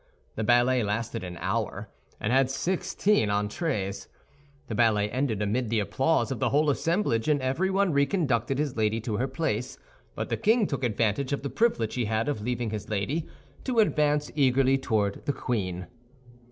The ballet lasted an hour, and had sixteen entrées. The ballet ended amid the applause of the whole assemblage, and everyone reconducted his lady to her place; but the king took advantage of the privilege he had of leaving his lady, to advance eagerly toward the queen.